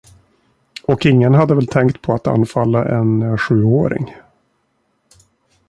Och ingen hade väl tänkt på att anfalla en sjuåring.